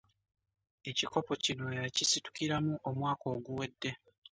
Ekikopo kino yakisitukiramu omwaka oguwedde